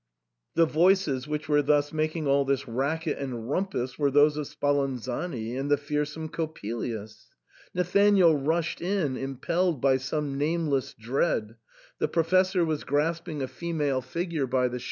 The voices which were thus making all this racket and rumpus were those of Spalanzani and the fearsome Coppelius. Na thanael rushed in, impelled by some nameless dread. The Professor was grasping a female figure by the THE SAND'MAN.